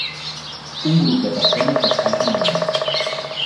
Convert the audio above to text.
Un grup de persones descansen a l'ombra